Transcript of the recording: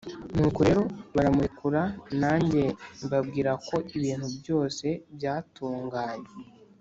nuko rero baramurekura, nanjye mbabwira ko ibintu byose byatunganye,